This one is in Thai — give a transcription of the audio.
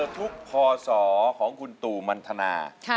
มูลค่าสองหมื่นบาท